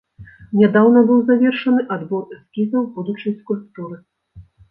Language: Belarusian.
Нядаўна быў завершаны адбор эскізаў будучай скульптуры.